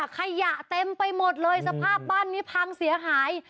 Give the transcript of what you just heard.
ขยะเต็มไปหมดเลยสภาพบ้านนี้พังเสียหาย